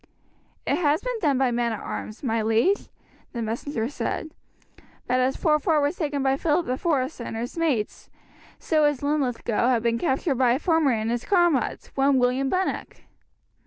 "It has been done by no men at arms, my liege," the messenger said; "but as Forfar was taken by Phillip the Forester and his mates, so has Linlithgow been captured by a farmer and his comrades, one William Bunnock."